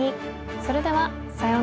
それではさようなら！